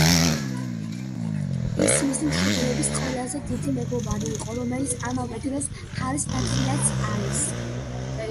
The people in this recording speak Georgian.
ის მისი მშობლების ყველაზე დიდი მეგობარი იყო, რომელიც ამავე დროს, ჰარის ნათლიაც არის.